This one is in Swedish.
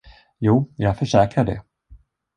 Jo, jag försäkrar det.